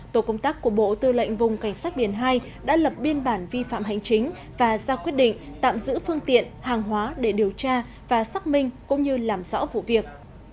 tổ công tác của bộ tư lệnh vùng cảnh sát biển hai đã lập biên bản vi phạm hành chính và ra quyết định tạm giữ phương tiện hàng hóa để điều tra và xác minh cũng như làm rõ vụ việc